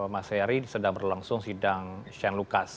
mas seyari sedang berlangsung sidang sean lukas